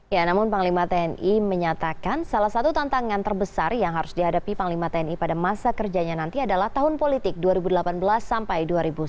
ya namun panglima tni menyatakan salah satu tantangan terbesar yang harus dihadapi panglima tni pada masa kerjanya nanti adalah tahun politik dua ribu delapan belas sampai dua ribu sembilan belas